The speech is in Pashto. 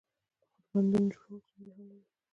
خو د بندونو جوړول ستونزې هم لري.